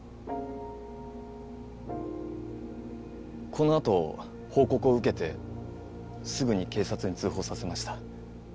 このあと報告を受けてすぐに警察に通報させました。